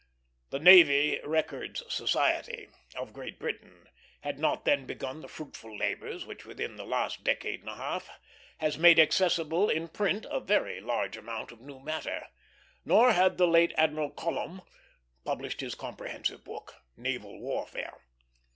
The Navy Records Society of Great Britain had not then begun the fruitful labors which within the last decade and a half has made accessible in print a very large amount of new matter; nor had the late Admiral Colomb published his comprehensive book, Naval Warfare.